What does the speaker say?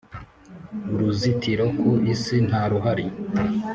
uruzitiro ku isi ntaruhari